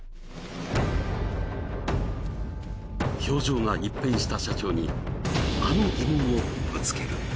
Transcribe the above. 表情が一変した社長にあの疑問をぶつける。